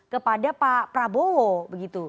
kepada pak prabowo begitu